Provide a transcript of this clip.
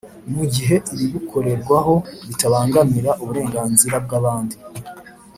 mu gihe ibibukorerwaho bitabangamira uburenganzira bw’abandi